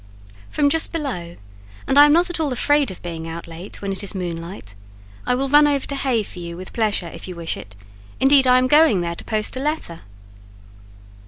"From just below; and I am not at all afraid of being out late when it is moonlight: I will run over to Hay for you with pleasure, if you wish it: indeed, I am going there to post a letter."